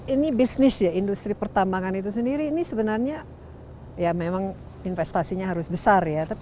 ini bisnis ya industri pertambangan itu sendiri ini sebenarnya ya memang investasinya harus besar ya